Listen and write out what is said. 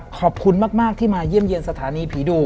ขอบคุณมากที่มาเยี่ยมเยี่ยมสถานีผีดุ